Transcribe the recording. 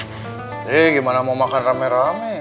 hei gimana mau makan rame rame